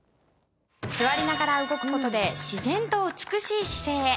座りながら動く事で自然と美しい姿勢へ。